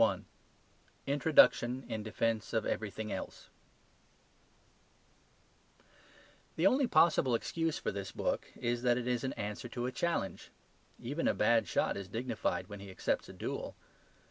Authority and the Adventurer ORTHODOXY I INTRODUCTION IN DEFENCE OF EVERYTHING ELSE THE only possible excuse for this book is that it is an answer to a challenge. Even a bad shot is dignified when he accepts a duel.